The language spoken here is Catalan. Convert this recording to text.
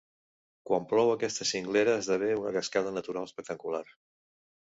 Quan plou aquesta cinglera esdevé una cascada natural espectacular.